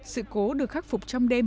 sự cố được khắc phục trong đêm